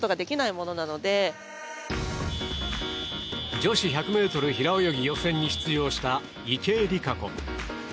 女子１００ｍ平泳ぎ予選に出場した池江璃花子。